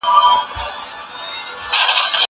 که وخت وي، د کتابتون د کار مرسته کوم!!